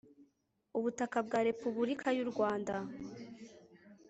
ubutaka bwa repubulika y u rwanda